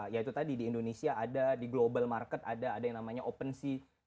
yaitu tadi di indonesia ada di global market ada yang namanya opensea